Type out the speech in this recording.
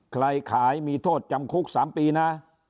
ขายมีโทษจำคุก๓ปีนะ